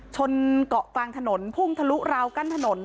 ชนเกาะกลางถนนพุ่งทะลุราวกั้นถนน